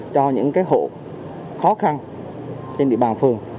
cho những hộ khó khăn trên địa bàn phường